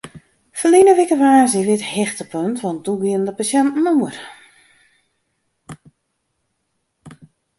Ferline wike woansdei wie it hichtepunt want doe gienen de pasjinten oer.